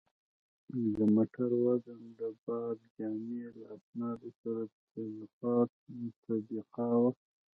د موټر وزن د بارجامې له اسنادو سره تطبیقاوه.